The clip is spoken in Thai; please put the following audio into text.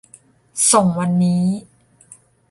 ส่งวันนี้